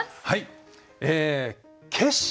はい。